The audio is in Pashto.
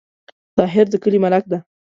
طاهر د کلې ملک ده